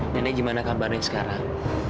nenek gimana kabarnya sekarang